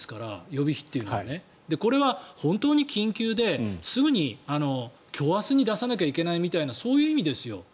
予備費というのはこれは本当に緊急ですぐに今日明日に出さなければいけないとかってそういう意味ですよ。